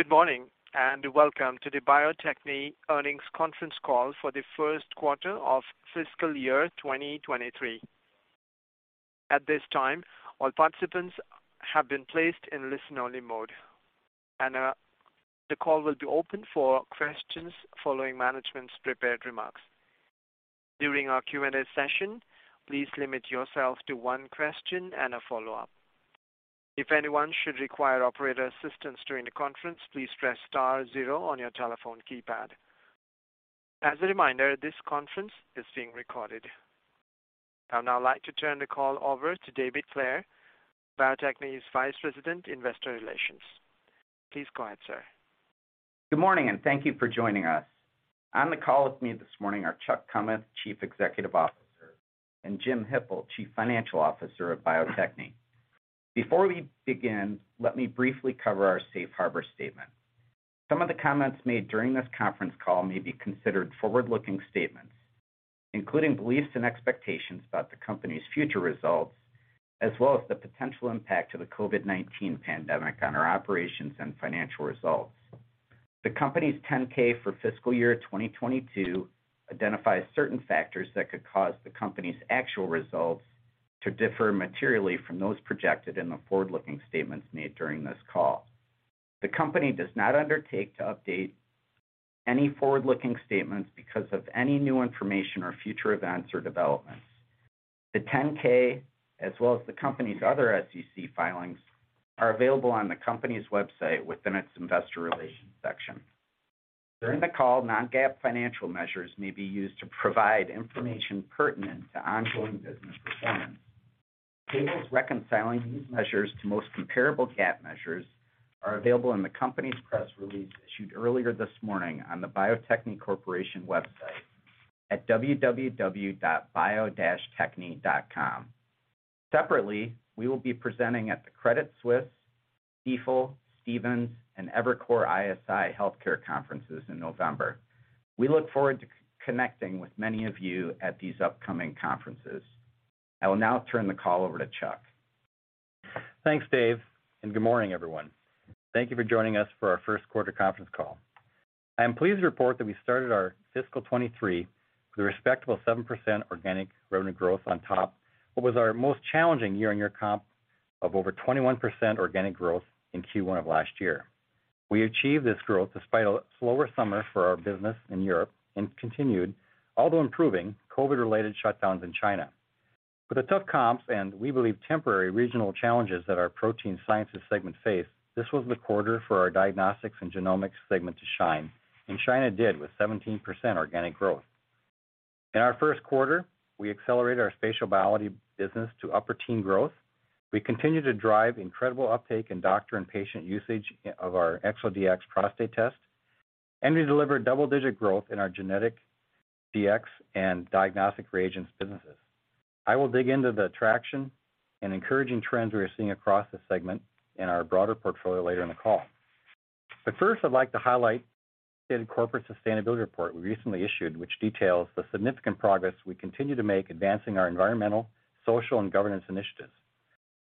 Good morning, and welcome to the Bio-Techne earnings conference call for the first quarter of fiscal year 2023. At this time, all participants have been placed in listen-only mode. The call will be open for questions following management's prepared remarks. During our Q&A session, please limit yourself to one question and a follow-up. If anyone should require operator assistance during the conference, please press star zero on your telephone keypad. As a reminder, this conference is being recorded. I'd now like to turn the call over to David Clair, Bio-Techne's Vice President, Investor Relations. Please go ahead, sir. Good morning, and thank you for joining us. On the call with me this morning are Chuck Kummeth, Chief Executive Officer, and Jim Hippel, Chief Financial Officer of Bio-Techne. Before we begin, let me briefly cover our safe harbor statement. Some of the comments made during this conference call may be considered forward-looking statements, including beliefs and expectations about the company's future results, as well as the potential impact of the COVID-19 pandemic on our operations and financial results. The company's 10-K for fiscal year 2022 identifies certain factors that could cause the company's actual results to differ materially from those projected in the forward-looking statements made during this call. The company does not undertake to update any forward-looking statements because of any new information or future events or developments. The 10-K as well as the company's other SEC filings are available on the company's website within its investor relations section. During the call, non-GAAP financial measures may be used to provide information pertinent to ongoing business performance. Tables reconciling these measures to most comparable GAAP measures are available in the company's press release issued earlier this morning on the Bio-Techne Corporation website at www.bio-techne.com. Separately, we will be presenting at the Credit Suisse, Stifel, Stephens, and Evercore ISI Healthcare Conferences in November. We look forward to connecting with many of you at these upcoming conferences. I will now turn the call over to Chuck. Thanks, David, and good morning, everyone. Thank you for joining us for our first quarter conference call. I am pleased to report that we started our fiscal 2023 with a respectable 7% organic revenue growth on top of what was our most challenging year-on-year comp of over 21% organic growth in Q1 of last year. We achieved this growth despite a slower summer for our business in Europe and continued, although improving, COVID-related shutdowns in China. With the tough comps and we believe temporary regional challenges that our protein sciences segment faced, this was the quarter for our diagnostics and genomics segment to shine, and China did with 17% organic growth. In our first quarter, we accelerated our spatial biology business to upper teen growth. We continued to drive incredible uptake in doctor and patient usage of our ExoDx Prostate test, and we delivered double-digit growth in our genetic DX and diagnostic reagents businesses. I will dig into the traction and encouraging trends we are seeing across the segment in our broader portfolio later in the call. First I'd like to highlight the corporate sustainability report we recently issued, which details the significant progress we continue to make advancing our environmental, social, and governance initiatives.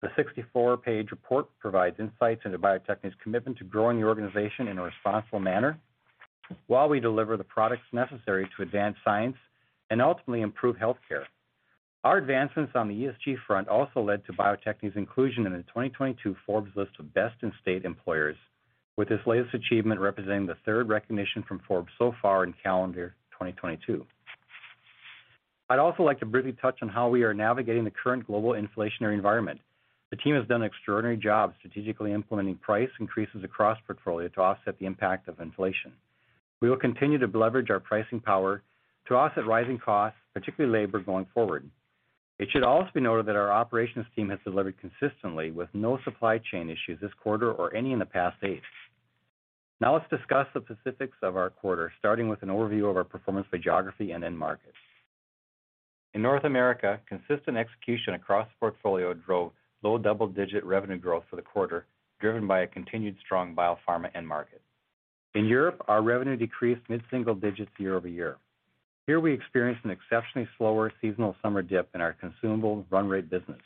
The 64-page report provides insights into Bio-Techne's commitment to growing the organization in a responsible manner while we deliver the products necessary to advance science and ultimately improve health care. Our advancements on the ESG front also led to Bio-Techne's inclusion in the 2022 Forbes list of Best in State Employers, with this latest achievement representing the third recognition from Forbes so far in calendar 2022. I'd also like to briefly touch on how we are navigating the current global inflationary environment. The team has done an extraordinary job strategically implementing price increases across portfolio to offset the impact of inflation. We will continue to leverage our pricing power to offset rising costs, particularly labor, going forward. It should also be noted that our operations team has delivered consistently with no supply chain issues this quarter or any in the past eight. Now let's discuss the specifics of our quarter, starting with an overview of our performance by geography and end market. In North America, consistent execution across the portfolio drove low double-digit revenue growth for the quarter, driven by a continued strong biopharma end market. In Europe, our revenue decreased mid-single digits year-over-year. Here we experienced an exceptionally slower seasonal summer dip in our consumable run rate business.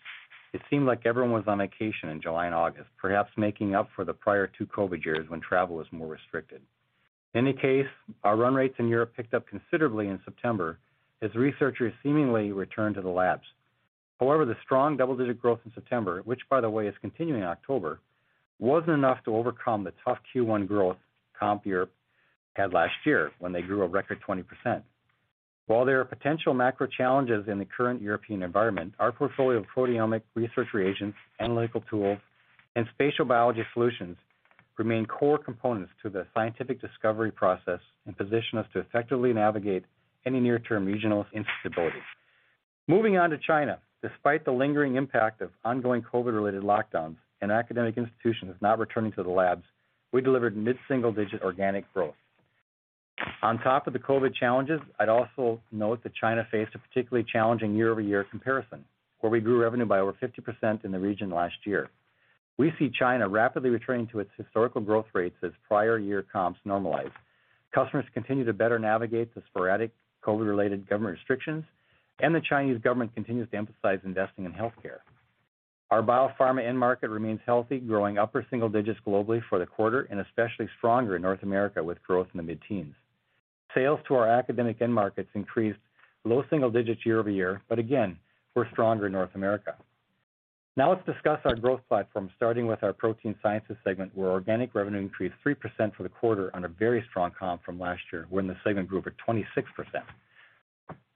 It seemed like everyone was on vacation in July and August, perhaps making up for the prior two COVID years when travel was more restricted. In any case, our run rates in Europe picked up considerably in September as researchers seemingly returned to the labs. However, the strong double-digit growth in September, which by the way is continuing in October, wasn't enough to overcome the tough Q1 growth comp Europe had last year when they grew a record 20%. While there are potential macro challenges in the current European environment, our portfolio of proteomic research reagents, analytical tools, and spatial biology solutions remain core components to the scientific discovery process and position us to effectively navigate any near-term regional instability. Moving on to China, despite the lingering impact of ongoing COVID-related lockdowns and academic institutions not returning to the labs, we delivered mid-single-digit organic growth. On top of the COVID challenges, I'd also note that China faced a particularly challenging year-over-year comparison, where we grew revenue by over 50% in the region last year. We see China rapidly returning to its historical growth rates as prior year comps normalize. Customers continue to better navigate the sporadic COVID-related government restrictions, and the Chinese government continues to emphasize investing in health care. Our biopharma end market remains healthy, growing upper single digits globally for the quarter and especially stronger in North America with growth in the mid-teens. Sales to our academic end markets increased low single digits year over year, but again, were stronger in North America. Now let's discuss our growth platform, starting with our protein sciences segment, where organic revenue increased 3% for the quarter on a very strong comp from last year when the segment grew over 26%.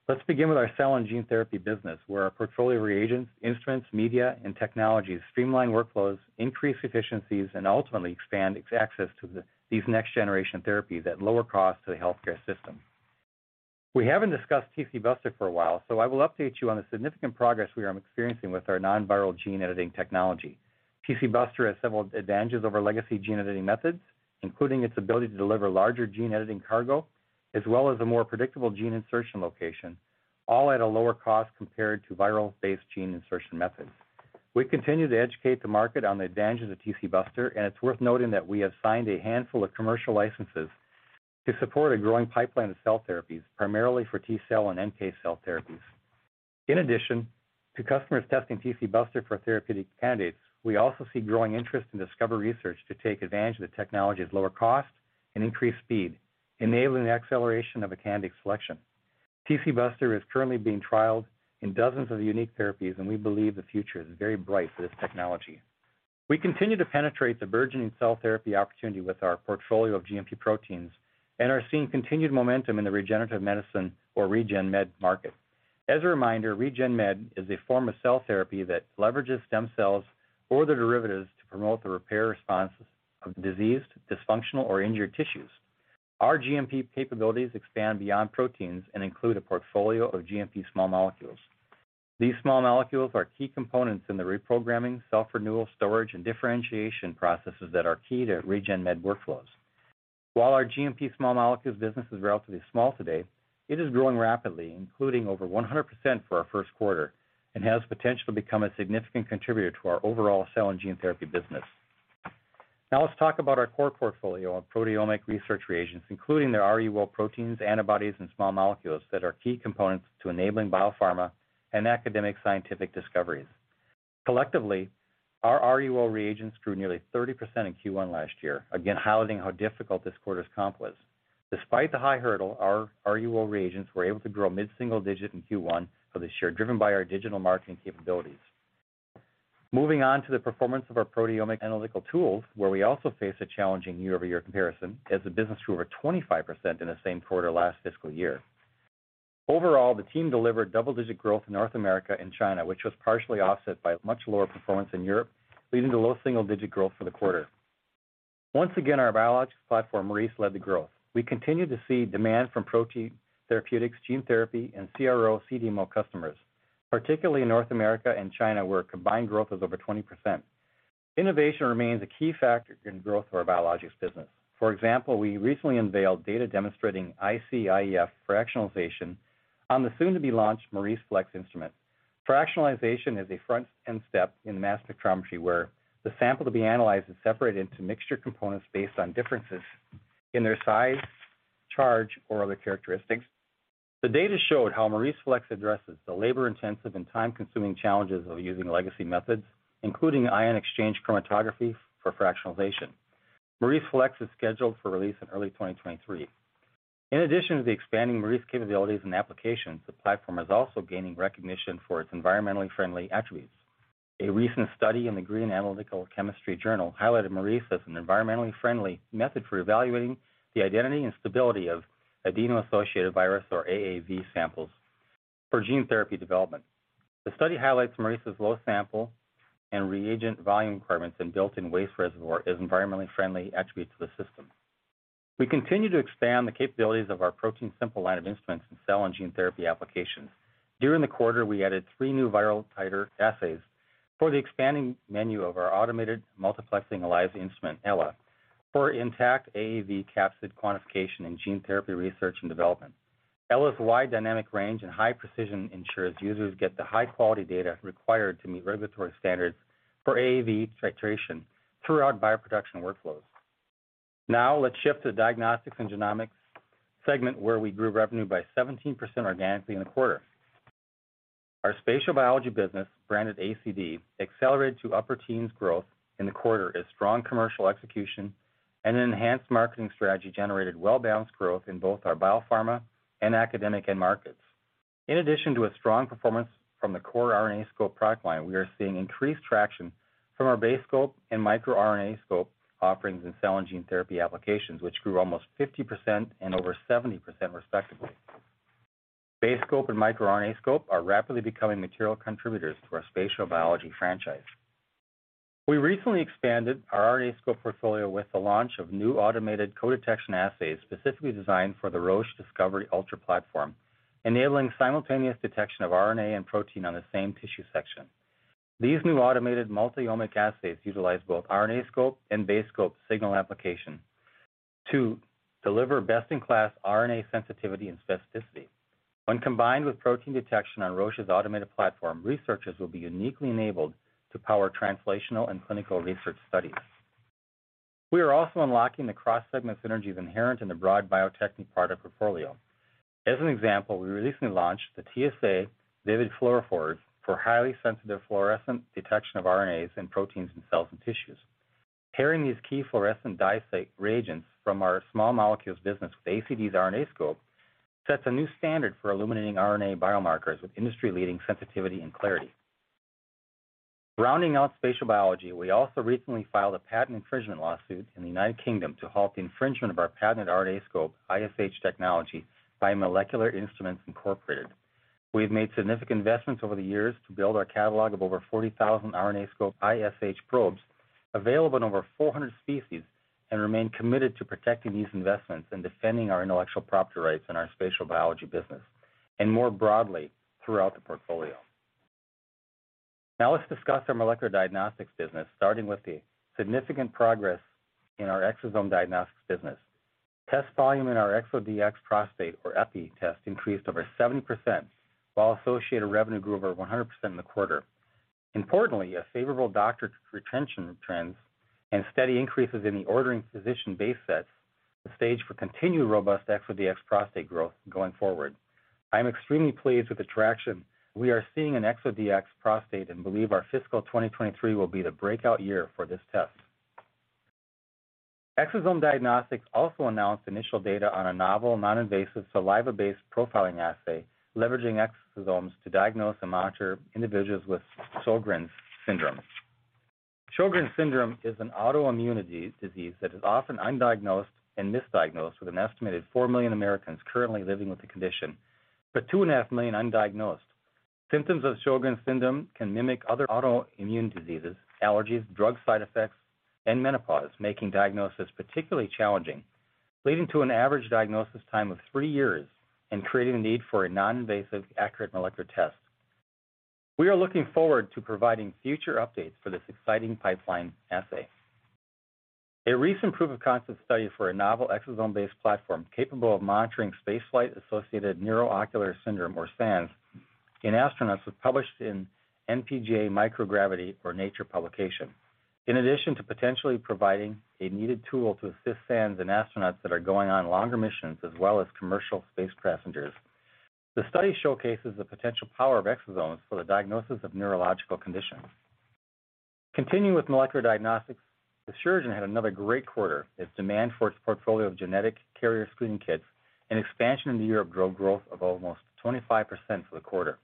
Let's begin with our cell and gene therapy business, where our portfolio of reagents, instruments, media, and technologies streamline workflows, increase efficiencies, and ultimately expand access to these next-generation therapies that lower cost to the healthcare system. We haven't discussed T for a while, so I will update you on the significant progress we are experiencing with our non-viral gene editing technology. T has several advantages over legacy gene editing methods, including its ability to deliver larger gene editing cargo, as well as a more predictable gene insertion location, all at a lower cost compared to viral-based gene insertion methods. We continue to educate the market on the advantages of T, and it's worth noting that we have signed a handful of commercial licenses to support a growing pipeline of cell therapies, primarily for T-cell and NK cell therapies. In addition to customers testing T for therapeutic candidates, we also see growing interest in discovery research to take advantage of the technology's lower cost and increased speed, enabling the acceleration of a candidate selection. T is currently being trialed in dozens of unique therapies, and we believe the future is very bright for this technology. We continue to penetrate the burgeoning cell therapy opportunity with our portfolio of GMP proteins and are seeing continued momentum in the regenerative medicine or Regen Med market. As a reminder, Regen Med is a form of cell therapy that leverages stem cells or their derivatives to promote the repair responses of diseased, dysfunctional or injured tissues. Our GMP capabilities expand beyond proteins and include a portfolio of GMP small molecules. These small molecules are key components in the reprogramming, self-renewal, storage, and differentiation processes that are key to Regen Med workflows. While our GMP small molecules business is relatively small today, it is growing rapidly, including over 100% for our first quarter, and has potential to become a significant contributor to our overall cell and gene therapy business. Now let's talk about our core portfolio of proteomic research reagents, including the RUO proteins, antibodies, and small molecules that are key components to enabling biopharma and academic scientific discoveries. Collectively, our RUO reagents grew nearly 30% in Q1 last year, again highlighting how difficult this quarter's comp was. Despite the high hurdle, our RUO reagents were able to grow mid-single digit in Q1 for this year, driven by our digital marketing capabilities. Moving on to the performance of our proteomic analytical tools, where we also face a challenging year-over-year comparison as the business grew over 25% in the same quarter last fiscal year. Overall, the team delivered double-digit growth in North America and China, which was partially offset by much lower performance in Europe, leading to low single-digit growth for the quarter. Once again, our biologics platform, Maurice, led the growth. We continue to see demand from protein therapeutics, gene therapy, and CRO/CDMO customers, particularly in North America and China, where combined growth was over 20%. Innovation remains a key factor in growth for our biologics business. For example, we recently unveiled data demonstrating icIEF fractionation on the soon-to-be-launched MauriceFlex instrument. Fractionation is a front-end step in mass spectrometry, where the sample to be analyzed is separated into mixture components based on differences in their size, charge, or other characteristics. The data showed how MauriceFlex addresses the labor-intensive and time-consuming challenges of using legacy methods, including ion exchange chromatography for fractionation. MauriceFlex is scheduled for release in early 2023. In addition to the expanding Maurice capabilities and applications, the platform is also gaining recognition for its environmentally friendly attributes. A recent study in the Green Analytical Chemistry journal highlighted Maurice as an environmentally friendly method for evaluating the identity and stability of adeno-associated virus, or AAV, samples for gene therapy development. The study highlights Maurice's low sample and reagent volume requirements and built-in waste reservoir as environmentally friendly attributes to the system. We continue to expand the capabilities of our ProteinSimple line of instruments in cell and gene therapy applications. During the quarter, we added three new viral titer assays for the expanding menu of our automated multiplexing ELISA instrument, Ella, for intact AAV capsid quantification in gene therapy, research and development. Ella's wide dynamic range and high precision ensures users get the high-quality data required to meet regulatory standards for AAV titration throughout bioproduction workflows. Now let's shift to diagnostics and genomics segment, where we grew revenue by 17% organically in the quarter. Our spatial biology business, branded ACD, accelerated to upper teens growth in the quarter as strong commercial execution and an enhanced marketing strategy generated well-balanced growth in both our biopharma and academic end markets. In addition to a strong performance from the core RNAscope product line, we are seeing increased traction from our BaseScope and miRNAscope offerings in cell and gene therapy applications, which grew almost 50% and over 70% respectively. BaseScope and miRNAscope are rapidly becoming material contributors to our spatial biology franchise. We recently expanded our RNAscope portfolio with the launch of new automated co-detection assays specifically designed for the Roche DISCOVERY ULTRA platform, enabling simultaneous detection of RNA and protein on the same tissue section. These new automated multi-omic assays utilize both RNAscope and BaseScope signal application to deliver best-in-class RNA sensitivity and specificity. When combined with protein detection on Roche's automated platform, researchers will be uniquely enabled to power translational and clinical research studies. We are also unlocking the cross-segment synergies inherent in the broad Bio-Techne product portfolio. As an example, we recently launched the TSA Vivid fluorophores for highly sensitive fluorescent detection of RNAs and proteins in cells and tissues. Pairing these key fluorescent dye site reagents from our small molecules business with ACD's RNAscope sets a new standard for illuminating RNA biomarkers with industry-leading sensitivity and clarity. Rounding out spatial biology, we also recently filed a patent infringement lawsuit in the United Kingdom to halt the infringement of our patented RNAscope ISH technology by Molecular Instruments, Inc. We have made significant investments over the years to build our catalog of over 40,000 RNAscope ISH probes available in over 400 species and remain committed to protecting these investments and defending our intellectual property rights in our spatial biology business and more broadly throughout the portfolio. Now let's discuss our molecular diagnostics business. Starting with the significant progress in our Exosome Diagnostics business. Test volume in our ExoDx Prostate or EPI test increased over 70%, while associated revenue grew over 100% in the quarter. Importantly, a favorable doctor retention trend and steady increases in the ordering physician base set the stage for continued robust ExoDx Prostate growth going forward. I'm extremely pleased with the traction we are seeing in ExoDx Prostate and believe our fiscal 2023 will be the breakout year for this test. Exosome Diagnostics also announced initial data on a novel, non-invasive, saliva-based profiling assay leveraging exosomes to diagnose and monitor individuals with Sjögren's syndrome. Sjögren's syndrome is an autoimmunity disease that is often undiagnosed and misdiagnosed, with an estimated four million Americans currently living with the condition, but 2.5 million undiagnosed. Symptoms of Sjögren's syndrome can mimic other autoimmune diseases, allergies, drug side effects, and menopause, making diagnosis particularly challenging, leading to an average diagnosis time of three years and creating a need for a non-invasive, accurate molecular test. We are looking forward to providing future updates for this exciting pipeline assay. A recent proof-of-concept study for a novel exosome-based platform capable of monitoring spaceflight associated neuro-ocular syndrome, or SAANS, in astronauts was published in npj Microgravity. In addition to potentially providing a needed tool to assist SAANS in astronauts that are going on longer missions as well as commercial space passengers, the study showcases the potential power of exosomes for the diagnosis of neurological conditions. Continuing with molecular diagnostics, Asuragen had another great quarter as demand for its portfolio of genetic carrier screening kits and expansion into new areas drove growth of almost 25% for the quarter.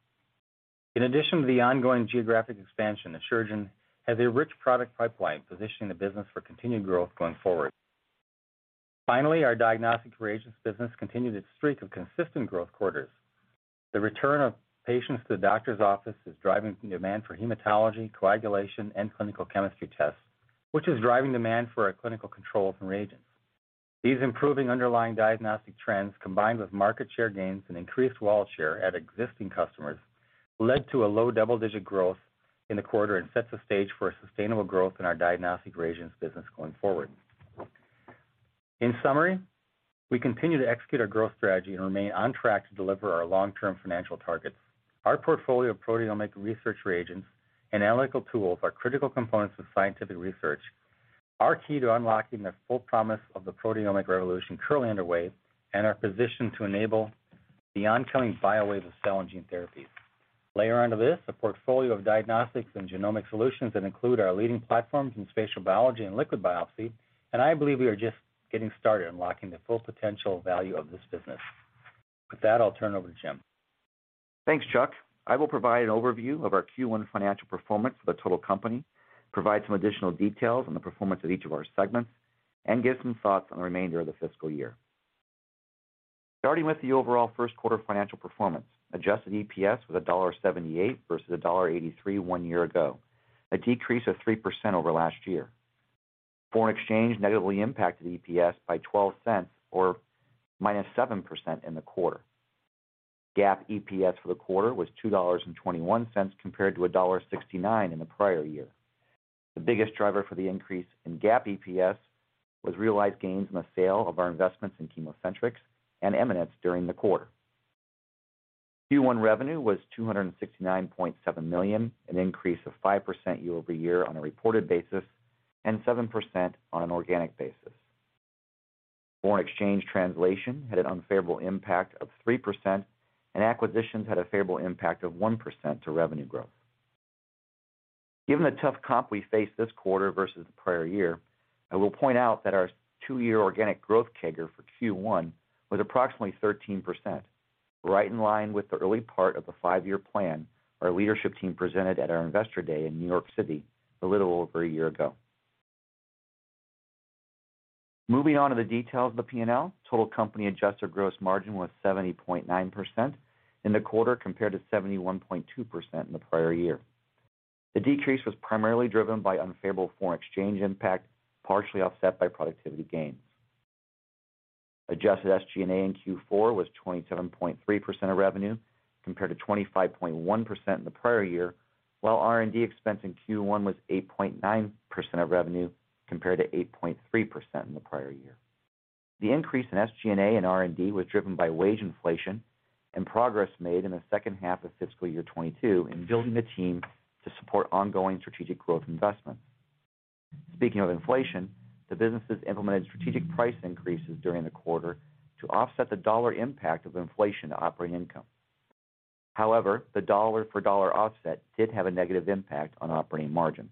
In addition to the ongoing geographic expansion, Asuragen has a rich product pipeline, positioning the business for continued growth going forward. Finally, our diagnostic reagents business continued its streak of consistent growth quarters. The return of patients to the doctor's office is driving demand for hematology, coagulation, and clinical chemistry tests, which is driving demand for our clinical controls and reagents. These improving underlying diagnostic trends, combined with market share gains and increased wallet share at existing customers, led to a low double-digit growth in the quarter and sets the stage for a sustainable growth in our diagnostic reagents business going forward. In summary, we continue to execute our growth strategy and remain on track to deliver our long-term financial targets. Our portfolio of proteomic research reagents and analytical tools are critical components of scientific research, are key to unlocking the full promise of the proteomic revolution currently underway, and are positioned to enable the oncoming bio wave of cell and gene therapies. Layer onto this a portfolio of diagnostics and genomic solutions that include our leading platforms in spatial biology and liquid biopsy, and I believe we are just getting started unlocking the full potential value of this business. With that, I'll turn it over to Jim. Thanks, Chuck. I will provide an overview of our Q1 financial performance for the total company, provide some additional details on the performance of each of our segments, and give some thoughts on the remainder of the fiscal year. Starting with the overall first quarter financial performance, adjusted EPS was $1.78 versus $1.83 one year ago, a decrease of 3% over last year. Foreign exchange negatively impacted EPS by 12 cents or -7% in the quarter. GAAP EPS for the quarter was $2.21 compared to $1.69 in the prior year. The biggest driver for the increase in GAAP EPS was realized gains in the sale of our investments in ChemoCentryx and Eminence during the quarter. Q1 revenue was $269.7 million, an increase of 5% year-over-year on a reported basis, and 7% on an organic basis. Foreign exchange translation had an unfavorable impact of 3% and acquisitions had a favorable impact of 1% to revenue growth. Given the tough comp we face this quarter versus the prior year, I will point out that our two-year organic growth CAGR for Q1 was approximately 13%, right in line with the early part of the five-year plan our leadership team presented at our Investor Day in New York City a little over a year ago. Moving on to the details of the PNL, total company adjusted gross margin was 70.9% in the quarter compared to 71.2% in the prior year. The decrease was primarily driven by unfavorable foreign exchange impact, partially offset by productivity gains. Adjusted SG&A in Q4 was 27.3% of revenue compared to 25.1% in the prior year, while R&D expense in Q1 was 8.9% of revenue compared to 8.3% in the prior year. The increase in SG&A and R&D was driven by wage inflation and progress made in the second half of fiscal year 2022 in building the team to support ongoing strategic growth investments. Speaking of inflation, the businesses implemented strategic price increases during the quarter to offset the dollar impact of inflation to operating income. However, the dollar for dollar offset did have a negative impact on operating margin.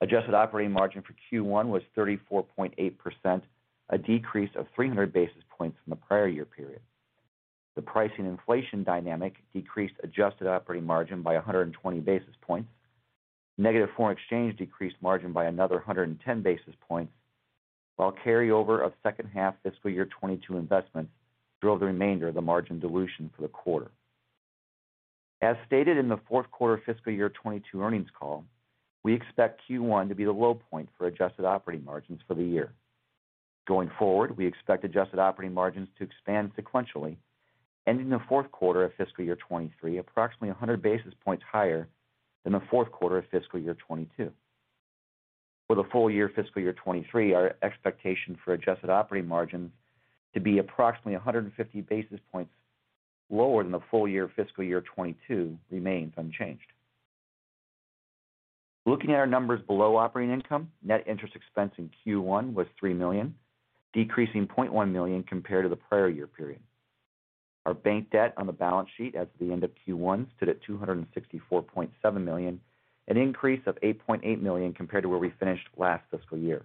Adjusted operating margin for Q1 was 34.8%, a decrease of 300 basis points from the prior year period. The pricing inflation dynamic decreased adjusted operating margin by 120 basis points. Negative foreign exchange decreased margin by another 110 basis points, while carryover of second half fiscal year 2022 investments drove the remainder of the margin dilution for the quarter. As stated in the fourth quarter fiscal year 2022 earnings call, we expect Q1 to be the low point for adjusted operating margins for the year. Going forward, we expect adjusted operating margins to expand sequentially and in the fourth quarter of fiscal year 2023, approximately 100 basis points higher than the fourth quarter of fiscal year 2022. For the full year fiscal year 2023, our expectation for adjusted operating margins to be approximately 150 basis points lower than the full year fiscal year 2022 remains unchanged. Looking at our numbers below operating income, net interest expense in Q1 was $3 million, decreasing $0.1 million compared to the prior year period. Our bank debt on the balance sheet as of the end of Q1 stood at $264.7 million, an increase of $8.8 million compared to where we finished last fiscal year.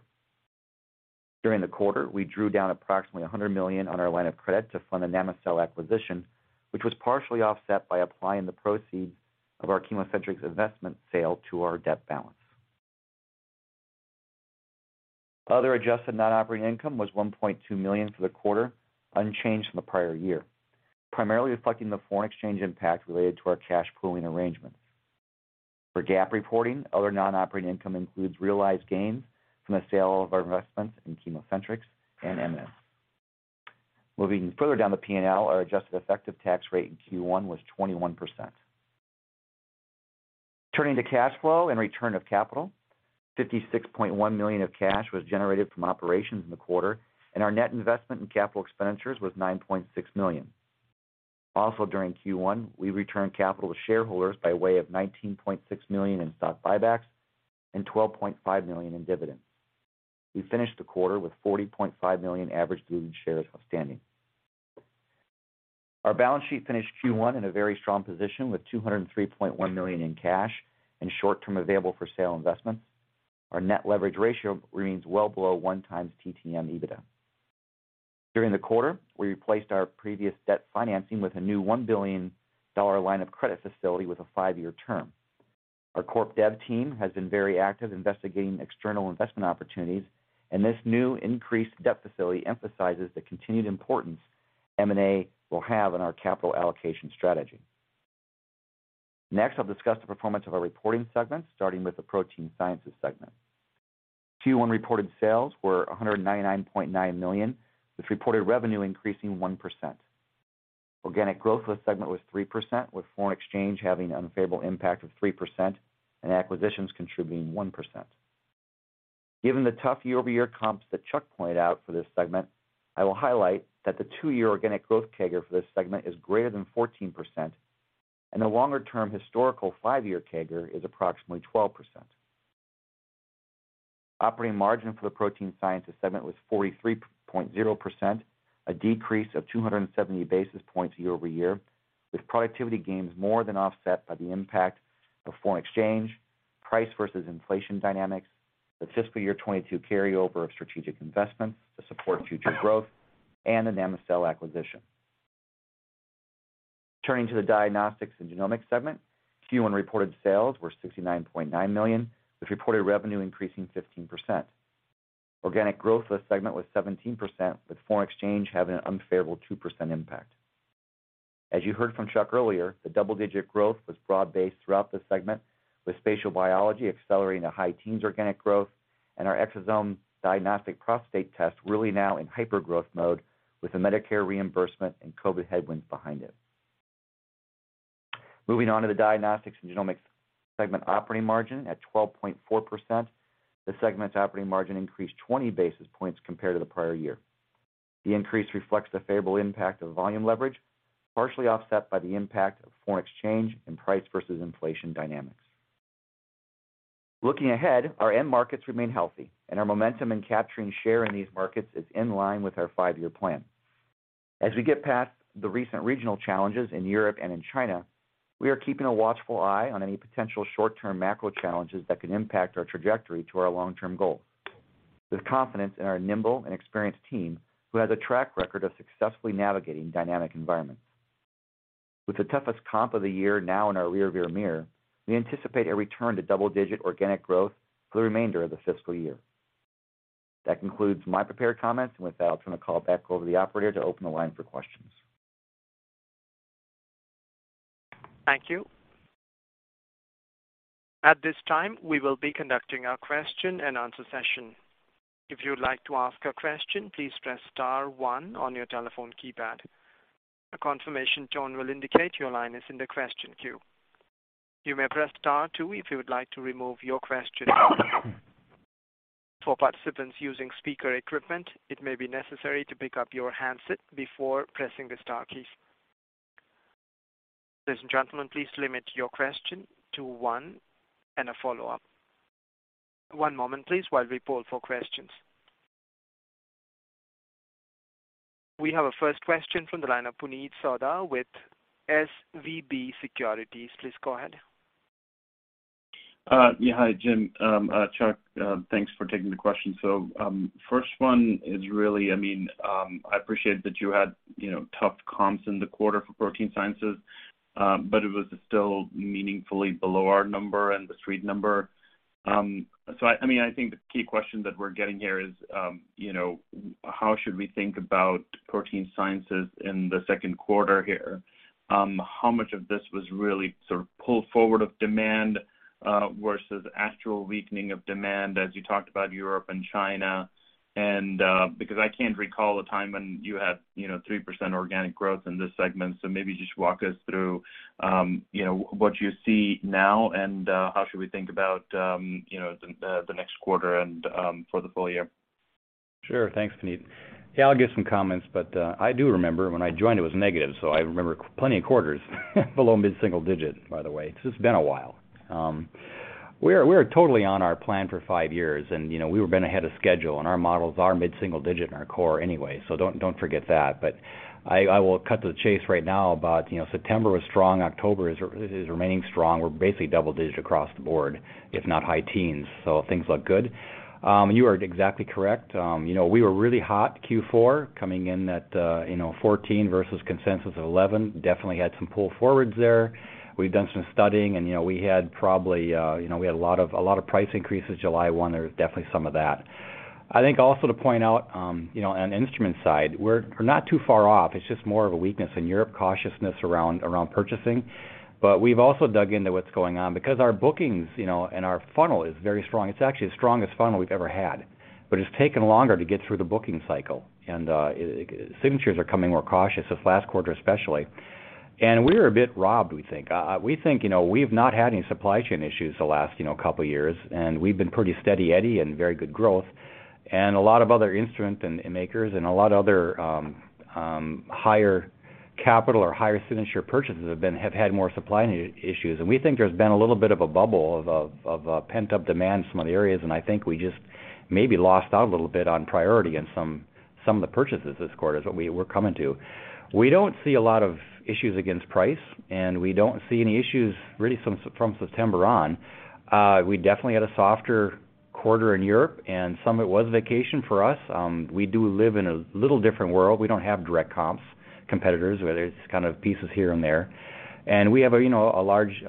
During the quarter, we drew down approximately $100 million on our line of credit to fund the Namocell acquisition, which was partially offset by applying the proceeds of our ChemoCentryx investment sale to our debt balance. Other adjusted non-operating income was $1.2 million for the quarter, unchanged from the prior year, primarily reflecting the foreign exchange impact related to our cash pooling arrangements. For GAAP reporting, other non-operating income includes realized gains from the sale of our investments in ChemoCentryx and MMS. Moving further down the PNL, our adjusted effective tax rate in Q1 was 21%. Turning to cash flow and return of capital, $56.1 million of cash was generated from operations in the quarter, and our net investment in capital expenditures was $9.6 million. Also during Q1, we returned capital to shareholders by way of $19.6 million in stock buybacks and $12.5 million in dividends. We finished the quarter with 40.5 million average diluted shares outstanding. Our balance sheet finished Q1 in a very strong position with $203.1 million in cash and short-term available for sale investments. Our net leverage ratio remains well below 1x TTM EBITDA. During the quarter, we replaced our previous debt financing with a new $1 billion line of credit facility with a five-year term. Our corp dev team has been very active investigating external investment opportunities, and this new increased debt facility emphasizes the continued importance M&A will have on our capital allocation strategy. Next I'll discuss the performance of our reporting segments, starting with the protein sciences segment. Q1 reported sales were $199.9 million, with reported revenue increasing 1%. Organic growth for the segment was 3%, with foreign exchange having an unfavorable impact of 3% and acquisitions contributing 1%. Given the tough year-over-year comps that Chuck pointed out for this segment, I will highlight that the two-year organic growth CAGR for this segment is greater than 14%, and the longer-term historical five-year CAGR is approximately 12%. Operating margin for the protein sciences segment was 43.0%, a decrease of 270 basis points year-over-year, with productivity gains more than offset by the impact of foreign exchange, price versus inflation dynamics, the fiscal year 2022 carryover of strategic investments to support future growth, and the Namocell acquisition. Turning to the diagnostics and genomics segment, Q1 reported sales were $69.9 million, with reported revenue increasing 15%. Organic growth for the segment was 17%, with foreign exchange having an unfavorable 2% impact. As you heard from Chuck earlier, the double-digit growth was broad-based throughout the segment, with spatial biology accelerating a high teens organic growth and our ExoDx Prostate test really now in hypergrowth mode with the Medicare reimbursement and COVID-19 headwinds behind it. Moving on to the diagnostics and genomics segment operating margin at 12.4%, the segment's operating margin increased 20 basis points compared to the prior year. The increase reflects the favorable impact of volume leverage, partially offset by the impact of foreign exchange and price versus inflation dynamics. Looking ahead, our end markets remain healthy, and our momentum in capturing share in these markets is in line with our five-year plan. As we get past the recent regional challenges in Europe and in China, we are keeping a watchful eye on any potential short-term macro challenges that could impact our trajectory to our long-term goal with confidence in our nimble and experienced team who has a track record of successfully navigating dynamic environments. With the toughest comp of the year now in our rear-view mirror, we anticipate a return to double-digit organic growth for the remainder of the fiscal year. That concludes my prepared comments, and with that, I'll turn the call back over to the operator to open the line for questions. Thank you. At this time, we will be conducting our question and answer session. If you would like to ask a question, please press star one on your telephone keypad. A confirmation tone will indicate your line is in the question queue. You may press star two if you would like to remove your question. For participants using speaker equipment, it may be necessary to pick up your handset before pressing the star key. Ladies and gentlemen, please limit your question to one and a follow-up. One moment please while we poll for questions. We have a first question from the line of Puneet Souda with SVB Securities, please go ahead. Yeah, hi, Jim. Chuck, thanks for taking the question. First one is really, I mean, I appreciate that you had, you know, tough comps in the quarter for Protein Sciences, but it was still meaningfully below our number and the street number. I mean, I think the key question that we're getting here is, you know, how should we think about Protein Sciences in the second quarter here? How much of this was really sort of pull forward of demand versus actual weakening of demand as you talked about Europe and China? Because I can't recall a time when you had, you know, 3% organic growth in this segment. Maybe just walk us through, you know, what you see now and how should we think about, you know, the next quarter and for the full year? Sure. Thanks, Puneet. Yeah, I'll give some comments, but I do remember when I joined, it was negative, so I remember plenty of quarters below mid-single-digit, by the way. It's been a while. We're totally on our plan for five years. You know, we've been ahead of schedule, and our models are mid-single-digit in our core anyway, so don't forget that. I will cut to the chase right now about, you know, September was strong. October is remaining strong. We're basically double-digit across the board, if not high teens, so things look good. You are exactly correct. You know, we were really hot Q4, coming in at, you know, 14% versus consensus of 11%. Definitely had some pull forwards there. We've done some studying and, you know, we had probably a lot of price increases July 1. There was definitely some of that. I think also to point out, you know, on instrument side, we're not too far off. It's just more of a weakness in Europe, cautiousness around purchasing. But we've also dug into what's going on because our bookings, you know, and our funnel is very strong. It's actually the strongest funnel we've ever had, but it's taken longer to get through the booking cycle. Signatures are coming more cautious this last quarter, especially. We're a bit robbed, we think. We think, you know, we've not had any supply chain issues the last couple years, and we've been pretty steady eddy and very good growth. and a lot of other higher capital or higher-ticket purchases have had more supply issues. We think there's been a little bit of a bubble of pent-up demand in some of the areas, and I think we just maybe lost out a little bit on priority in some of the purchases this quarter, is what we're coming to. We don't see a lot of issues against price, and we don't see any issues really from September on. We definitely had a softer quarter in Europe and some of it was vacation for us. We do live in a little different world. We don't have direct comps, competitors, whether it's kind of pieces here and there. We have, you know, a large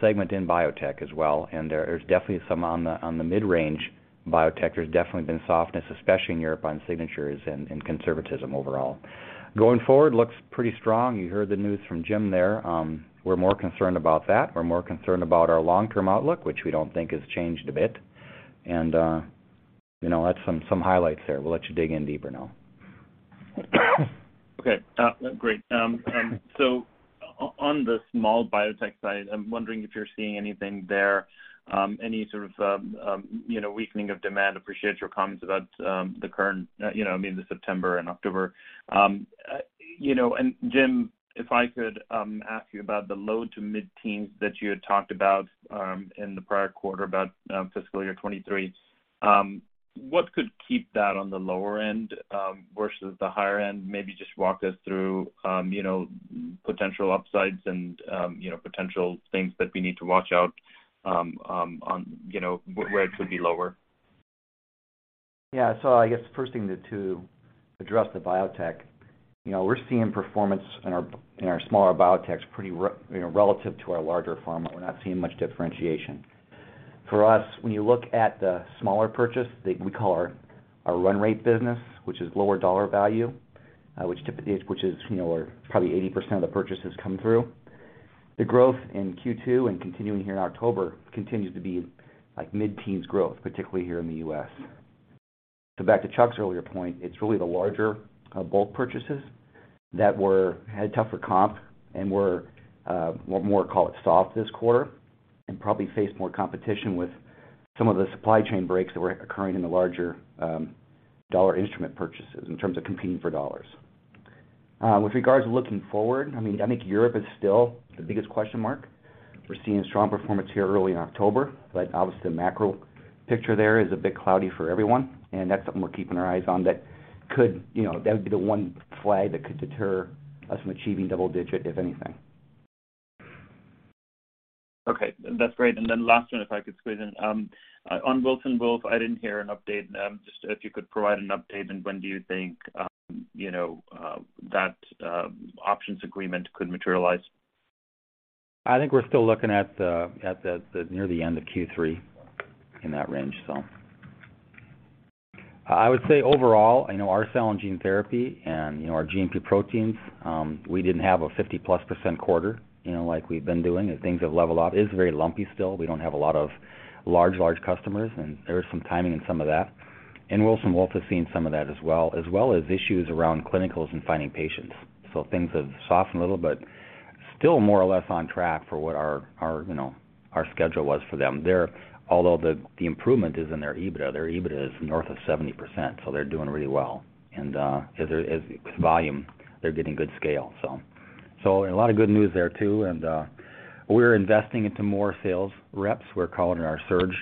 segment in biotech as well. There is definitely some on the mid-range biotech. There's definitely been softness, especially in Europe, on signatures and conservatism overall. Going forward, looks pretty strong. You heard the news from Jim there. We're more concerned about that. We're more concerned about our long-term outlook, which we don't think has changed a bit. You know, that's some highlights there. We'll let you dig in deeper now. Okay. Great. On the small biotech side, I'm wondering if you're seeing anything there, any sort of, you know, weakening of demand. Appreciate your comments about the current, you know, I mean, the September and October. And Jim, if I could ask you about the low to mid-teens that you had talked about in the prior quarter about fiscal year 2023. What could keep that on the lower end versus the higher end? Maybe just walk us through, you know, potential upsides and, you know, potential things that we need to watch out on, you know, where it could be lower. Yeah. I guess the first thing to address the biotech. You know, we're seeing performance in our smaller biotechs relative to our larger pharma. We're not seeing much differentiation. For us, when you look at the smaller purchases that we call our run rate business, which is lower dollar value, which is, you know, where probably 80% of the purchases come through. The growth in Q2 and continuing here in October continues to be like mid-teens growth, particularly here in the U.S. Back to Chuck's earlier point, it's really the larger, bulk purchases that had tougher comp and were what I'd call it soft this quarter, and probably faced more competition with some of the supply chain breaks that were occurring in the larger dollar instrument purchases in terms of competing for dollars. With regards to looking forward, I mean, I think Europe is still the biggest question mark. We're seeing strong performance here early in October, but obviously the macro picture there is a bit cloudy for everyone, and that's something we're keeping our eyes on that could, you know, that would be the one flag that could deter us from achieving double-digit, if anything. Okay. That's great. Then last one, if I could squeeze in. On Wilson Wolf, I didn't hear an update. Just if you could provide an update, and when do you think, you know, that options agreement could materialize? I think we're still looking at the near the end of Q3 in that range. I would say overall, I know our cell and gene therapy and, you know, our GMP proteins, we didn't have a 50%+ quarter, you know, like we've been doing. Things have leveled off. It is very lumpy still. We don't have a lot of large customers, and there is some timing in some of that. Wilson Wolf has seen some of that as well as issues around clinicals and finding patients. Things have softened a little, but still more or less on track for what our schedule was for them. They're although the improvement is in their EBITDA. Their EBITDA is north of 70%, so they're doing really well. As volume, they're getting good scale. A lot of good news there too. We're investing into more sales reps. We're calling our surge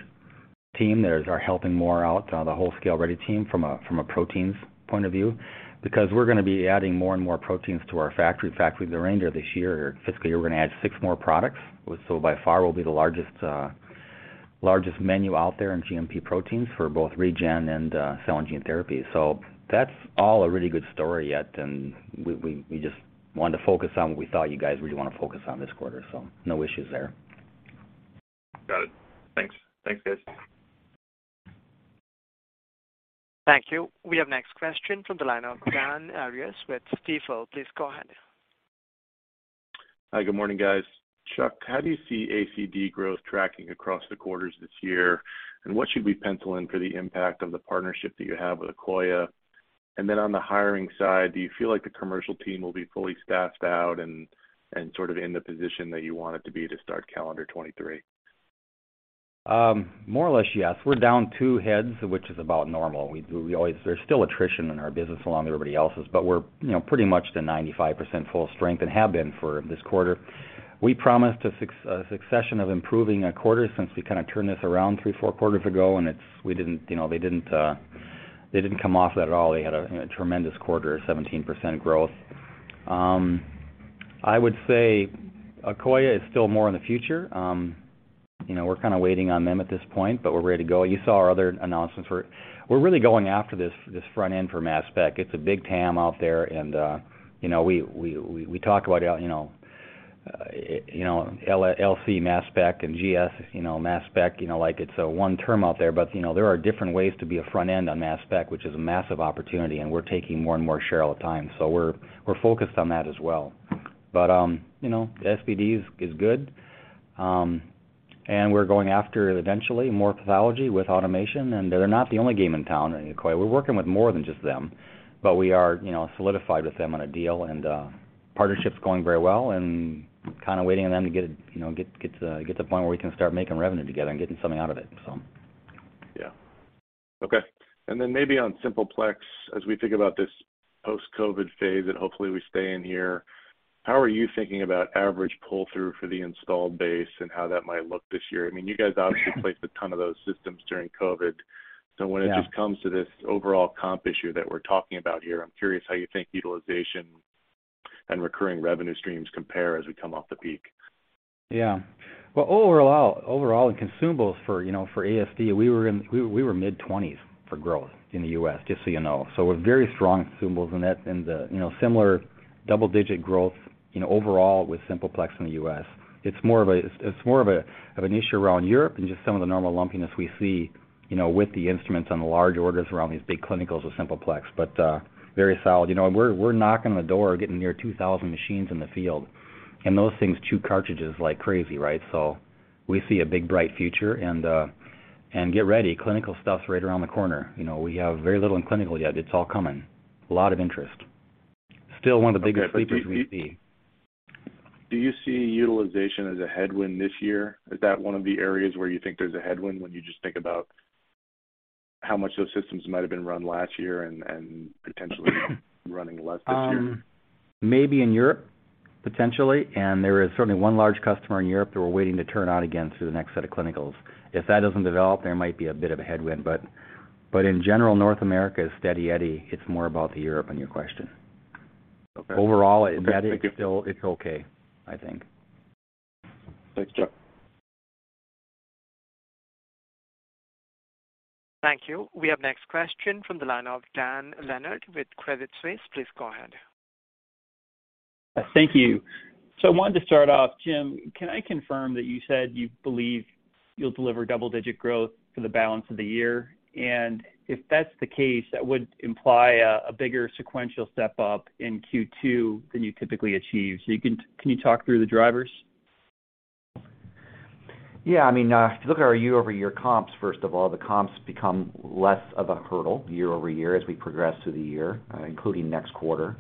team. They're helping more out the whole ScaleReady team from a proteins point of view, because we're gonna be adding more and more proteins to our factory. In fact, with the range there this year or fiscal year, we're gonna add 6 more products. So by far will be the largest menu out there in GMP proteins for both regen and cell and gene therapy. That's all a really good story yet, and we just wanted to focus on what we thought you guys really wanna focus on this quarter. No issues there. Got it. Thanks. Thanks, guys. Thank you. We have next question from the line of Patrick Donnelly with Stifel. Please go ahead. Hi. Good morning, guys. Chuck, how do you see ACD growth tracking across the quarters this year? What should we pencil in for the impact of the partnership that you have with Akoya? Then on the hiring side, do you feel like the commercial team will be fully staffed out and sort of in the position that you want it to be to start calendar 2023? More or less, yes. We're down two heads, which is about normal. There's still attrition in our business along with everybody else's, but we're, you know, pretty much to 95% full strength and have been for this quarter. We promised a succession of improving quarters since we kind of turned this around three, four quarters ago, and it's we didn't, you know, they didn't come off at all. They had a tremendous quarter, 17% growth. I would say Akoya is still more in the future. You know, we're kind of waiting on them at this point, but we're ready to go. You saw our other announcements. We're really going after this front end for mass spec. It's a big TAM out there and, you know, we talk about, you know, you know, LC-MS/MS and GC-MS, you know, mass spec, you know, like it's a one term out there. You know, there are different ways to be a front end on mass spec which is a massive opportunity, and we're taking more and more share all the time. We're focused on that as well. You know, SBD is good. And we're going after eventually more pathology with automation, and they're not the only game in town at Akoya. We're working with more than just them, but we are, you know, solidified with them on a deal and partnership's going very well and kind of waiting on them to get, you know, to the point where we can start making revenue together and getting something out of it, so. Yeah. Okay. Maybe on Simple Plex, as we think about this post-COVID phase, and hopefully we stay in here, how are you thinking about average pull-through for the installed base and how that might look this year? I mean, you guys obviously placed a ton of those systems during COVID. Yeah. When it just comes to this overall comp issue that we're talking about here, I'm curious how you think utilization and recurring revenue streams compare as we come off the peak. Yeah. Well, overall in consumables for, you know, for ACD, we were mid-20s for growth in the U.S., just so you know. With very strong consumables in that and the, you know, similar double-digit growth, you know, overall with Simple Plex in the U.S. It's more of an issue around Europe and just some of the normal lumpiness we see, you know, with the instruments on the large orders around these big clinicals with Simple Plex. Very solid. You know, we're knocking on the door, getting near 2,000 machines in the field. Those things chew cartridges like crazy, right? We see a big, bright future and get ready, clinical stuff's right around the corner. You know, we have very little in clinical yet. It's all coming. A lot of interest. Still one of the biggest sleepers in IV. Do you see utilization as a headwind this year? Is that one of the areas where you think there's a headwind when you just think about how much those systems might have been run last year and potentially running less this year? Maybe in Europe, potentially. There is certainly one large customer in Europe that we're waiting to turn on again through the next set of clinicals. If that doesn't develop, there might be a bit of a headwind. In general, North America is steady eddy. It's more about the Europe on your question. Okay. Overall- Got it. Thank you. It's okay, I think. Thanks, Chuck. Thank you. We have next question from the line of Dan Leonard with Credit Suisse, please go ahead. Thank you. I wanted to start off, Jim, can I confirm that you said you believe you'll deliver double-digit growth for the balance of the year? If that's the case, that would imply a bigger sequential step up in Q2 than you typically achieve. Can you talk through the drivers? Yeah. I mean, if you look at our year-over-year comps, first of all, the comps become less of a hurdle year over year as we progress through the year, including next quarter.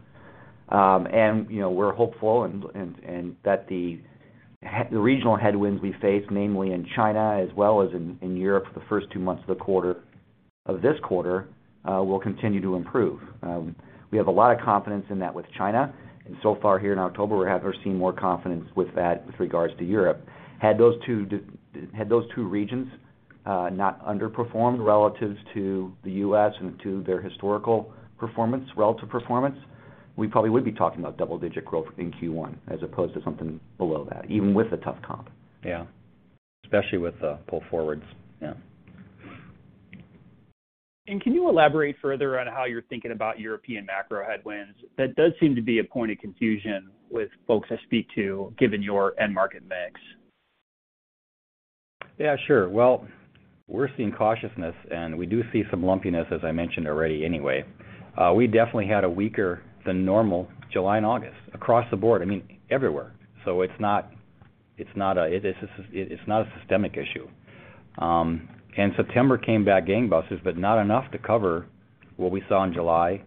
You know, we're hopeful that the regional headwinds we face, namely in China as well as in Europe for the first two months of the quarter, of this quarter, will continue to improve. We have a lot of confidence in that with China, and so far here in October, we're seeing more confidence with regards to Europe. Had those two regions not underperformed relative to the U.S and to their historical performance, relative performance, we probably would be talking about double-digit growth in Q1 as opposed to something below that, even with a tough comp. Yeah. Especially with the pull forwards. Yeah. Can you elaborate further on how you're thinking about European macro headwinds? That does seem to be a point of confusion with folks I speak to, given your end market mix. Yeah, sure. Well, we're seeing cautiousness, and we do see some lumpiness, as I mentioned already anyway. We definitely had a weaker than normal July and August across the board, I mean, everywhere. It's not a systemic issue. September came back gangbusters, but not enough to cover what we saw in July,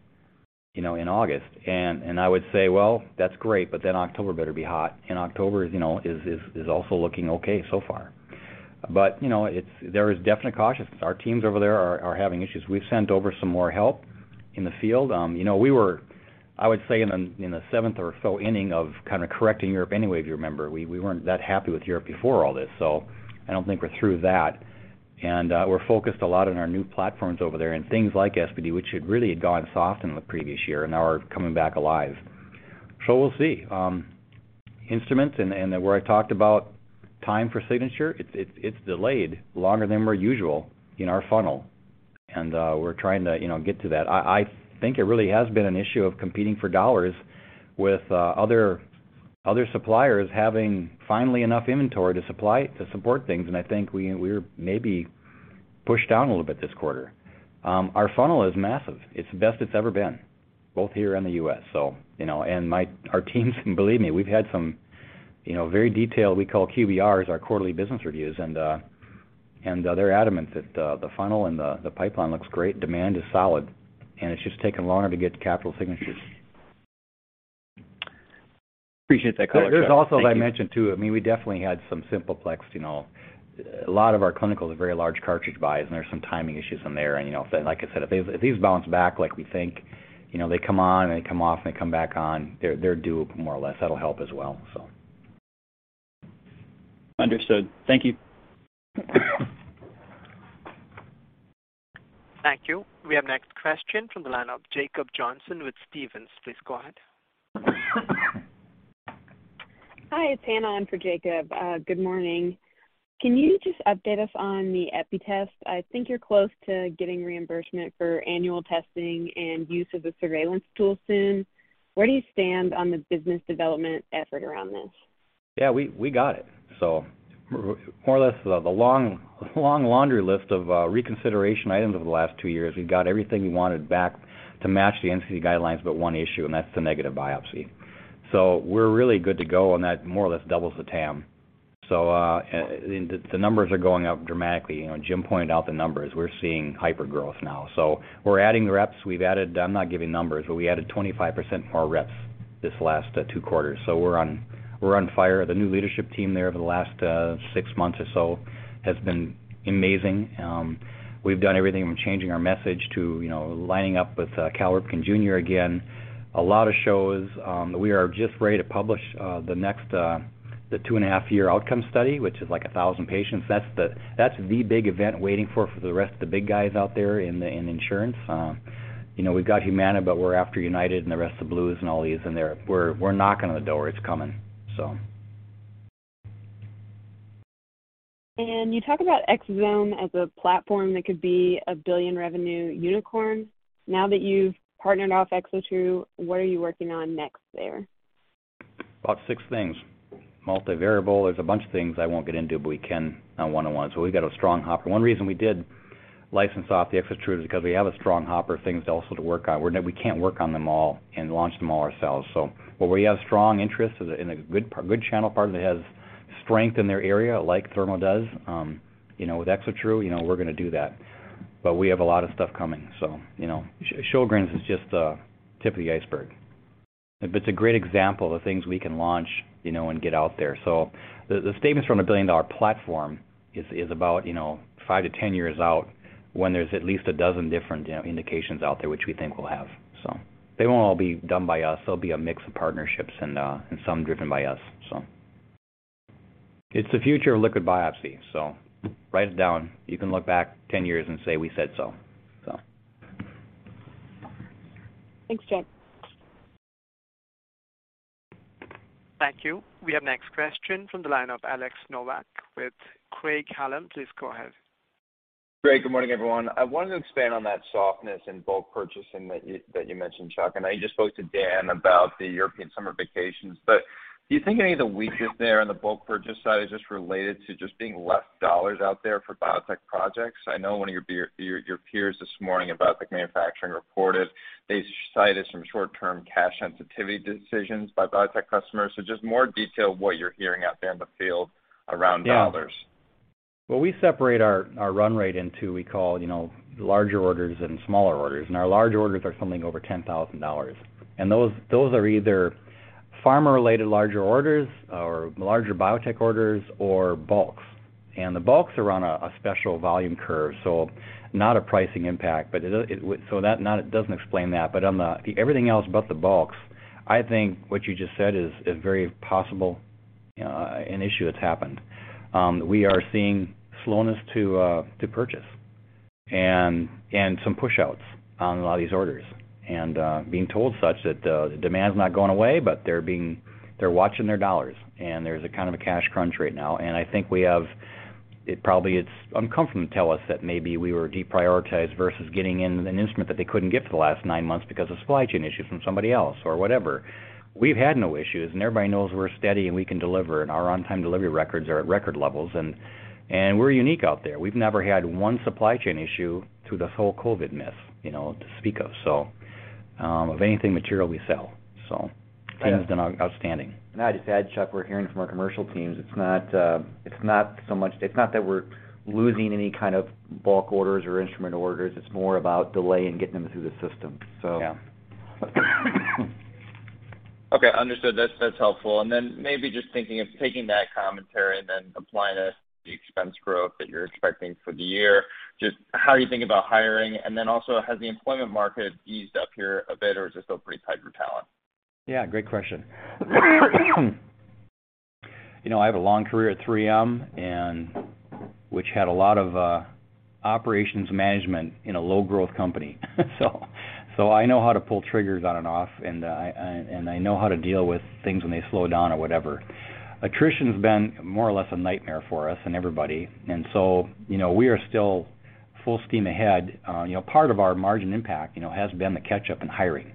you know, in August. I would say, "Well, that's great, but then October better be hot." October is, you know, also looking okay so far. You know, there is definite cautious. Our teams over there are having issues. We've sent over some more help in the field. You know, we were, I would say in the seventh or so inning of kind of correcting Europe anyway, if you remember. We weren't that happy with Europe before all this, so I don't think we're through that. We're focused a lot on our new platforms over there and things like ACD, which had really gone soft in the previous year and now are coming back alive. We'll see. Instruments and where I talked about time for signature, it's delayed longer than our usual in our funnel, and we're trying to, you know, get to that. I think it really has been an issue of competing for dollars with other suppliers having finally enough inventory to support things. I think we're maybe pushed down a little bit this quarter. Our funnel is massive. It's the best it's ever been, both here and the U.S. You know, our teams, believe me, we've had some, you know, very detailed, we call QBRs, our quarterly business reviews, and they're adamant that the funnel and the pipeline looks great, demand is solid, and it's just taking longer to get the capital signatures. Appreciate that color, Chuck. Thank you. There's also, as I mentioned too, I mean, we definitely had some Simple Plex, you know. A lot of our clinical are very large cartridge buys, and there's some timing issues in there. You know, like I said, if these bounce back like we think, you know, they come on, and they come off, and they come back on, they're due more or less. That'll help as well. Understood. Thank you. Thank you. We have next question from the line of Jacob Johnson with Stephens. Please go ahead. Hi, it's Hannah on for Jacob. Good morning. Can you just update us on the EPI test? I think you're close to getting reimbursement for annual testing and use of the surveillance tool soon. Where do you stand on the business development effort around this? Yeah, we got it. More or less, the long laundry list of reconsideration items over the last two years, we got everything we wanted back to match the NCD guidelines, but one issue, and that's the negative biopsy. We're really good to go, and that more or less doubles the TAM. The numbers are going up dramatically. You know, Jim pointed out the numbers. We're seeing hypergrowth now. We're adding reps. We've added. I'm not giving numbers, but we added 25% more reps this last two quarters, so we're on fire. The new leadership team there over the last six months or so has been amazing. We've done everything from changing our message to, you know, lining up with Cal Ripken Jr. again. A lot of shows, we are just ready to publish the next, the 2.5-year outcome study, which is like 1,000 patients. That's the big event waiting for the rest of the big guys out there in the insurance. You know, we've got Humana, but we're after United and the rest of Blues and all these in there. We're knocking on the door. It's coming. You talk about Exosome as a platform that could be a $1 billion revenue unicorn. Now that you've partnered off ExoTRU, what are you working on next there? About six things. Multivariable, there's a bunch of things I won't get into, but we can on one-on-one. We've got a strong hopper. One reason we did license off the ExoTRU is because we have a strong hopper of things also to work on. We can't work on them all and launch them all ourselves. Where we have strong interest is in a good channel partner that has strength in their area like Thermo does, you know, with ExoTRU, you know, we're gonna do that. We have a lot of stuff coming. Sjögren's is just the tip of the iceberg. It's a great example of things we can launch, you know, and get out there. The statements from a billion-dollar platform is about, you know, five to 10 years out when there's at least 12 different, you know, indications out there, which we think we'll have. They won't all be done by us. There'll be a mix of partnerships and some driven by us. It's the future of liquid biopsy, so write it down. You can look back 10 years and say, we said so. Thanks, Chuck. Thank you. We have next question from the line of Alex Nowak with Craig-Hallum. Please go ahead. Great. Good morning, everyone. I wanted to expand on that softness in bulk purchasing that you mentioned, Chuck. I know you just spoke to Dan about the European summer vacations, but do you think any of the weakness there on the bulk purchase side is just related to just being less dollars out there for biotech projects? I know one of your peers this morning about the manufacturing reported they cited some short-term cash sensitivity decisions by biotech customers. Just more detail what you're hearing out there in the field around dollars. Yeah. Well, we separate our run rate into, we call it, you know, larger orders and smaller orders. Our large orders are something over $10,000. Those are either pharma-related larger orders or larger biotech orders or bulks. The bulks are on a special volume curve, so not a pricing impact. It doesn't explain that. Everything else but the bulks, I think what you just said is very possible, an issue that's happened. We are seeing slowness to purchase and some pushouts on a lot of these orders. Being told such that the demand's not going away, but they're watching their dollars, and there's a kind of a cash crunch right now. I think we have... It probably it's uncomfortable to tell us that maybe we were deprioritized versus getting in an instrument that they couldn't get for the last 9 months because of supply chain issues from somebody else or whatever. We've had no issues, and everybody knows we're steady, and we can deliver, and our on-time delivery records are at record levels and we're unique out there. We've never had one supply chain issue through this whole COVID mess, you know, to speak of anything material we sell. Tim's done outstanding. I just add, Chuck, we're hearing from our commercial teams. It's not so much that we're losing any kind of bulk orders or instrument orders. It's more about delay in getting them through the system. Yeah. Okay, understood. That's helpful. Maybe just thinking of taking that commentary and then applying it to the expense growth that you're expecting for the year, just how you think about hiring, and then also has the employment market eased up here a bit, or is it still pretty tight for talent? Yeah, great question. You know, I have a long career at 3M which had a lot of operations management in a low growth company. So I know how to pull triggers on and off, and and I know how to deal with things when they slow down or whatever. Attrition's been more or less a nightmare for us and everybody. You know, we are still full steam ahead. You know, part of our margin impact, you know, has been the catch-up in hiring.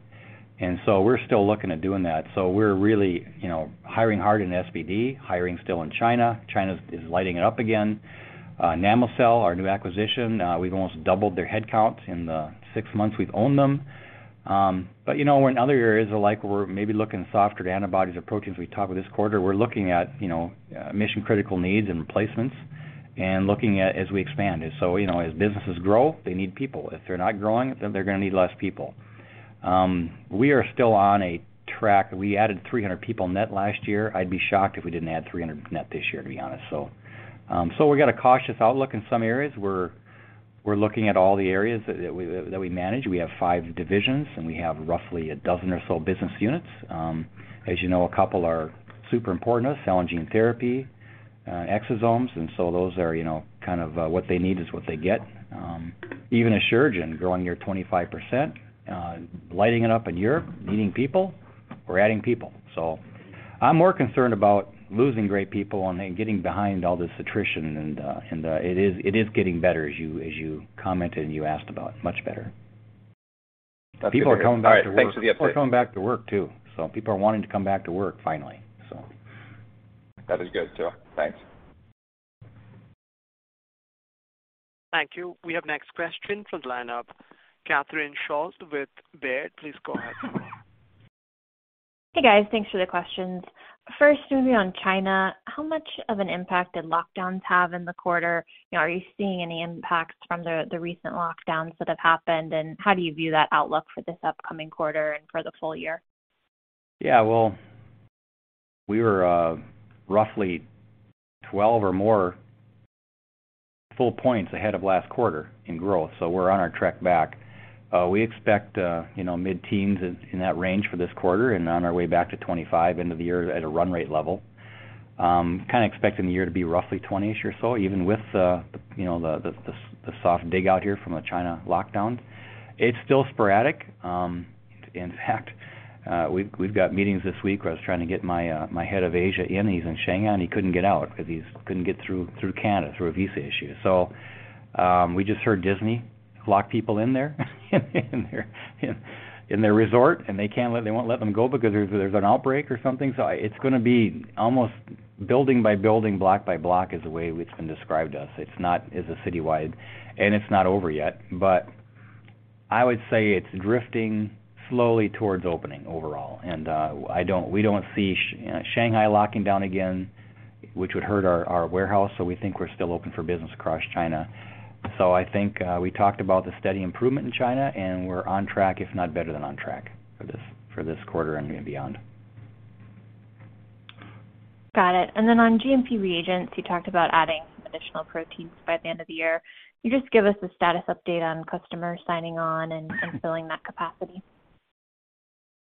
We're still looking at doing that. We're really, you know, hiring hard in SBD, hiring still in China. China is lighting it up again. Namocell, our new acquisition, we've almost doubled their headcount in the six months we've owned them. You know, in other areas like we're maybe looking softer at antibodies or proteins we talked about this quarter. We're looking at, you know, mission-critical needs and replacements and looking at as we expand. You know, as businesses grow, they need people. If they're not growing, then they're gonna need less people. We are still on a track. We added 300 people net last year. I'd be shocked if we didn't add 300 net this year, to be honest. So, we've got a cautious outlook in some areas. We're looking at all the areas that we manage. We have five divisions, and we have roughly a dozen or so business units. As you know, a couple are super important to us, cell and gene therapy, exosomes. Those are, you know, kind of what they need is what they get. Even Asuragen growing 25% year, lighting it up in Europe, needing people. We're adding people. I'm more concerned about losing great people and then getting behind all this attrition. It is getting better as you commented and you asked about, much better. That's good to hear. All right. Thanks for the update. People are coming back to work, too. People are wanting to come back to work finally, so. That is good too. Thanks. Thank you. We have next question from the line of Catherine Schulte with Baird. Please go ahead. Hey, guys. Thanks for the questions. First, maybe on China, how much of an impact did lockdowns have in the quarter? You know, are you seeing any impacts from the recent lockdowns that have happened? How do you view that outlook for this upcoming quarter and for the full year? Yeah. Well, we were roughly 12 or more full points ahead of last quarter in growth, so we're on our trek back. We expect, you know, mid-teens% in that range for this quarter and on our way back to 25% end of the year at a run rate level. Kinda expecting the year to be roughly 20-ish% or so, even with you know, the soft dig out here from a China lockdown. It's still sporadic. In fact, we've got meetings this week where I was trying to get my head of Asia in. He's in Shanghai, and he couldn't get out because he couldn't get through Canada through a visa issue. We just heard Disney lock people in there, in their resort, and they won't let them go because there's an outbreak or something. It's gonna be almost building by building, block by block is the way it's been described to us. It's not a citywide, and it's not over yet. I would say it's drifting slowly towards opening overall. We don't see Shanghai locking down again, which would hurt our warehouse, so we think we're still open for business across China. I think we talked about the steady improvement in China, and we're on track, if not better than on track for this quarter and beyond. Got it. On GMP reagents, you talked about adding some additional proteins by the end of the year. Can you just give us a status update on customers signing on and filling that capacity?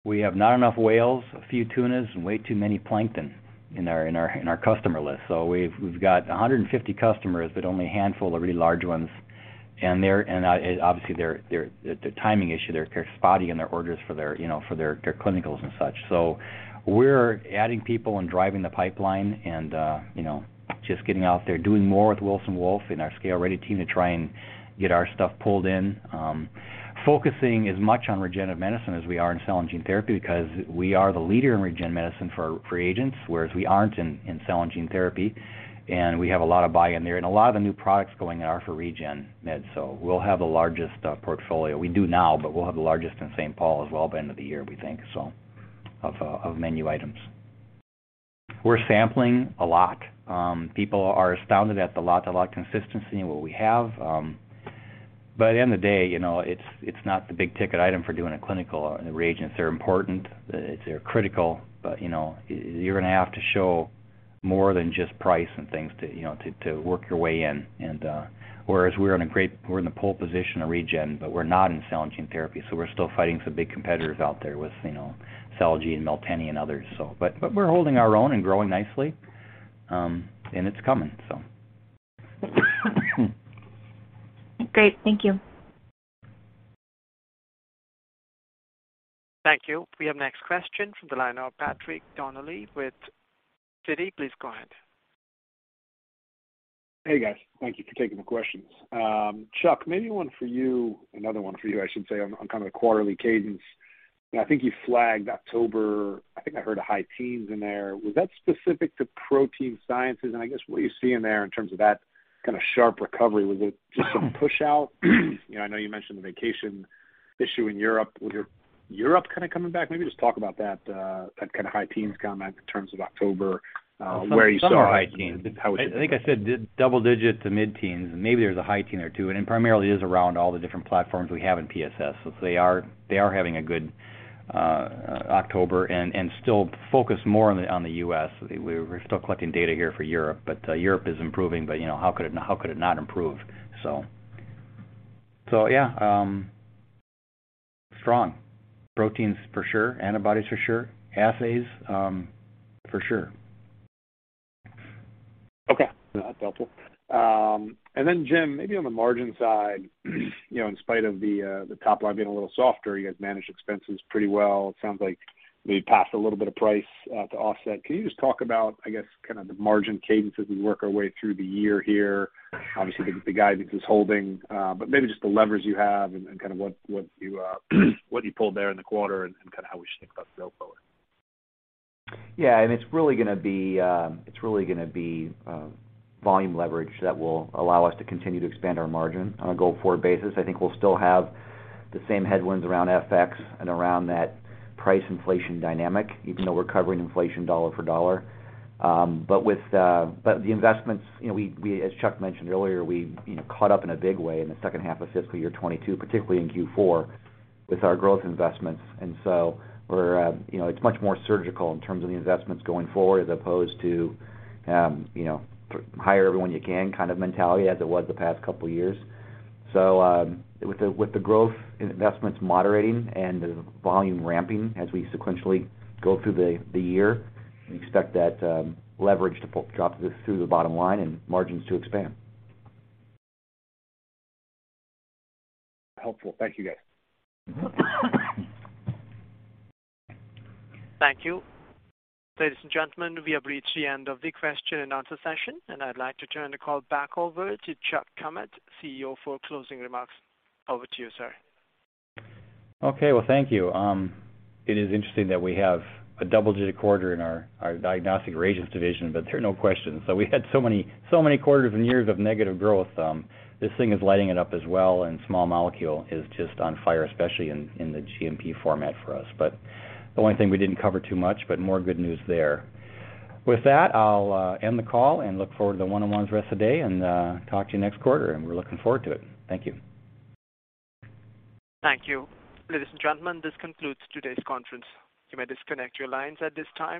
We have not enough whales, a few tunas and way too many plankton in our customer list. We've got 150 customers, but only a handful of really large ones. They're obviously their timing issue, they're spotty in their orders, you know, for their clinicals and such. We're adding people and driving the pipeline and, you know, just getting out there, doing more with Wilson Wolf and our ScaleReady team to try and get our stuff pulled in. Focusing as much on regenerative medicine as we are in cell and gene therapy because we are the leader in regen medicine for reagents, whereas we aren't in cell and gene therapy, and we have a lot of buy-in there. A lot of the new products going are for Regen Med, so we'll have the largest portfolio. We do now, but we'll have the largest in St. Paul as well by the end of the year, we think, so of menu items. We're sampling a lot. People are astounded at the lot-to-lot consistency in what we have. At the end of the day, you know, it's not the big-ticket item for doing a clinical. The reagents are important, they're critical, but, you know, you're gonna have to show more than just price and things to, you know, to work your way in. We're in the pole position in regen, but we're not in cell and gene therapy, so we're still fighting some big competitors out there with, you know, Celgene, Miltenyi and others. We're holding our own and growing nicely, and it's coming. Great. Thank you. Thank you. We have next question from the line of Patrick Donnelly with Citi please go ahead. Hey, guys. Thank you for taking the questions. Chuck, maybe one for you, another one for you, I should say, on kind of the quarterly cadence. I think you flagged October. I think I heard a high teens in there. Was that specific to protein sciences? I guess what you see in there in terms of that kinda sharp recovery, was it just some push out? You know, I know you mentioned the vacation issue in Europe. Was your Europe kinda coming back? Maybe just talk about that kinda high teens comment in terms of October, where you saw- Some are high teens. How would you- I think I said double-digit to mid-teens, and maybe there's a high teen or two, and it primarily is around all the different platforms we have in PSS. They are having a good October and still focused more on the U.S. We're still collecting data here for Europe, but Europe is improving. You know, how could it not improve? Yeah, strong. Proteins for sure. Antibodies for sure. Assays for sure. Okay. No, that's helpful. Jim, maybe on the margin side, you know, in spite of the top line being a little softer, you guys managed expenses pretty well. It sounds like maybe passed a little bit of price to offset. Can you just talk about, I guess, kinda the margin cadences as we work our way through the year here? Obviously, the guidance is holding, but maybe just the levers you have and kinda what you pulled there in the quarter and kinda how we should think about going forward. Yeah. It's really gonna be volume leverage that will allow us to continue to expand our margin on a go-forward basis. I think we'll still have the same headwinds around FX and around that price inflation dynamic, even though we're covering inflation dollar for dollar. But the investments, you know, as Chuck mentioned earlier, we you know caught up in a big way in the second half of fiscal year 2022, particularly in Q4, with our growth investments. We're, you know, it's much more surgical in terms of the investments going forward, as opposed to you know hire everyone you can kind of mentality as it was the past couple years. with the growth investments moderating and the volume ramping as we sequentially go through the year, we expect that leverage to pull through the bottom line and margins to expand. Helpful. Thank you, guys. Thank you. Ladies and gentlemen, we have reached the end of the question and answer session, and I'd like to turn the call back over to Chuck Kummeth, CEO, for closing remarks. Over to you, sir. Okay. Well, thank you. It is interesting that we have a double-digit quarter in our diagnostic reagents division, but there are no questions. We had so many quarters and years of negative growth. This thing is lighting it up as well, and small molecule is just on fire, especially in the GMP format for us. The only thing we didn't cover too much, but more good news there. With that, I'll end the call and look forward to the one-on-ones rest of the day and talk to you next quarter, and we're looking forward to it. Thank you. Thank you. Ladies and gentlemen, this concludes today's conference. You may disconnect your lines at this time.